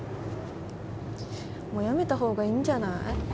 もうやめた方がいいんじゃない？